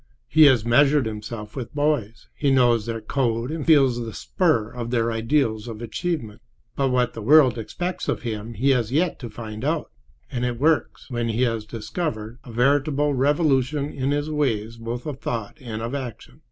He has measured himself with boys; he knows their code and feels the spur of their ideals of achievement. But what the world expects of him he has yet to find out, and it works, when he has discovered, a veritable revolution in his ways both of thought and of action.